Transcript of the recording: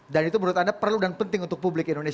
dan itu menurut anda perlu dan penting untuk publik indonesia